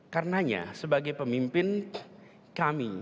karenanya sebagai pemimpin kami